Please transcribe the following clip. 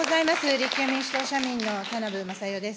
立憲民主党・社民の田名部匡代です。